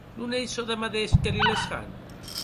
No ei çò de madeish que Lilleshand?